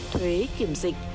thuế kiểm dịch